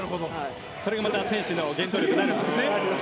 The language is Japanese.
それがまた選手の原動力になるんですね。